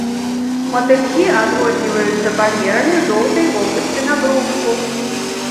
Матылькі адрозніваюцца памерамі жоўтай вобласці на брушку.